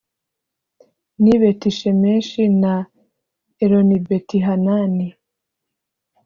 n’i Betishemeshi na Elonibetihanani